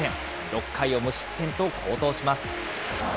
６回を無失点と好投します。